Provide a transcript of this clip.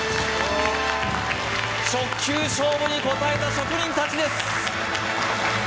直球勝負に応えた職人たちです